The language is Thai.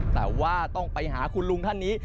แต่ว่าต้องไปหาคุณลุงท่านนี้